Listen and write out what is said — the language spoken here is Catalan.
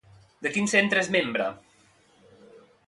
De quin centre és membre?